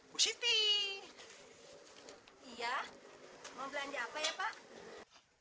busyti iya mau belanja apa ya pak